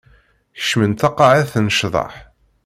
Kecmen taqaɛet n ccḍeḥ.